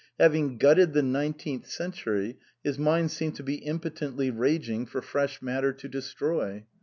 Having gutted the Nineteenth Century, his mind seemed to be impotently raging for fresh matter to destroy.